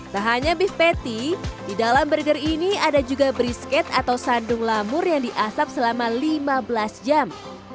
tak hanya beef patty di dalam burger ini ada juga brisket atau sandung lamur yang diasap selama lima belas jam